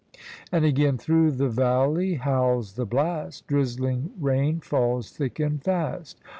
And again: — Through the valley howls the blast, Drizzling rain falls thick and fast.